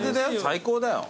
最高だよ。